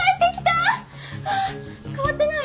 わ変わってない？